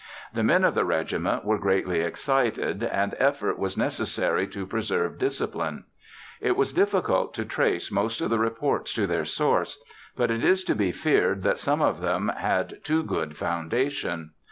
The men of the Regiment were greatly excited, and effort was necessary to preserve discipline. It was difficult to trace most of the reports to their source, but it is to be feared that some of them had too good foundation.